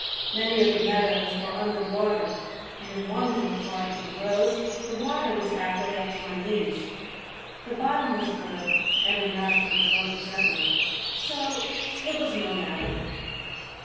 Many of the meadows were under water, and in one low part of the road the water was halfway up to my knees; the bottom was good, and master drove gently, so it was no matter.